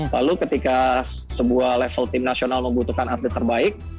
lalu ketika sebuah level tim nasional membutuhkan atlet terbaik